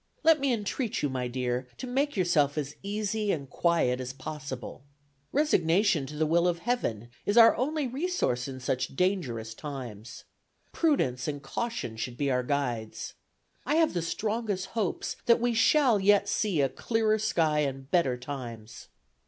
Let me entreat you, my dear, to make yourself as easy and quiet as possible. Resignation to the will of Heaven is our only resource in such dangerous times. Prudence and caution should be our guides. I have the strongest hopes that we shall yet see a clearer sky and better times.